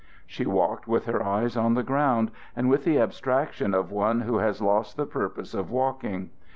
She walked with her eyes on the ground and with the abstraction of one who has lost the purpose of walking.